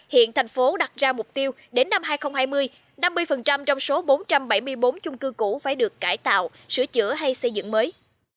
hiện thành phố đặt ra mục tiêu đến năm hai nghìn hai mươi năm mươi trong số bốn trăm bảy mươi bốn chung cư cũ phải được cải tạo sửa chữa hay xây dựng mới